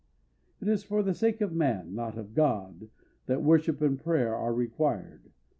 It is for the sake of man, not of God, that worship and prayer are required.